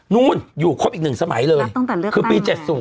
นู่นอยู่ครบอีก๑สมัยเลยคือปี๗๐